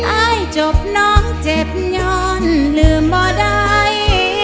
ไอ้จบน้องเจ็บหย่อนลืมบ่ได้